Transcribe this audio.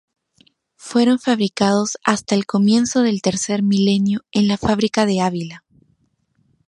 Fueron fabricados hasta el comienzo del tercer milenio en la fábrica de Ávila.